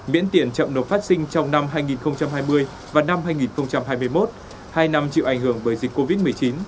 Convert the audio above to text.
miễn tiền chậm nộp phát sinh trong năm hai nghìn hai mươi và năm hai nghìn hai mươi một hai năm chịu ảnh hưởng bởi dịch covid một mươi chín